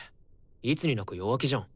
いつになく弱気じゃん。